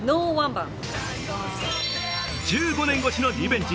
１５年越しのリベンジ。